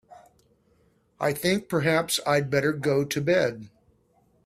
I think perhaps I'd better go to bed.